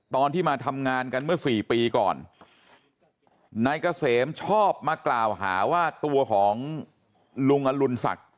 ตอนที่มาทำงานกันเมื่อสี่ปีก่อนนายเกษมชอบมากล่าวหาว่าตัวของลุงอรุณศักดิ์